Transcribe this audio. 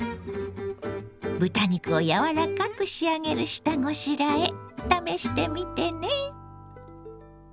豚肉を柔らかく仕上げる下ごしらえ試してみてね。